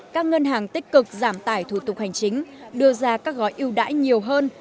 các ngân hàng tích cực giảm tải thủ tục hành chính đưa ra các gói ưu đãi nhiều hơn